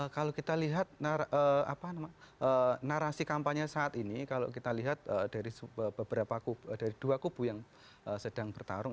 kalau kita lihat narasi kampanye saat ini kalau kita lihat dari dua kubu yang sedang bertarung